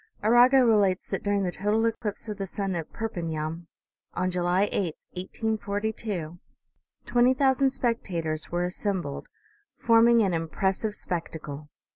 Arago relates that during the total eclipse of the sun at Perpignan, on July 8, 1842, twenty thou sand spectators were assembled, forming an impressive spectacle.